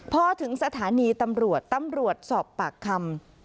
พอถึงสถานีตำรวจตำรวจสอบปากคำ